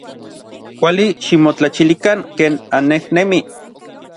Kuali ximotlachilikan ken annejnemij.